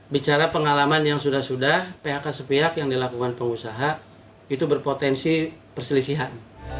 bicara pengalaman yang sudah sudah phk sepihak yang dilakukan pengusaha itu berpotensi perselisihan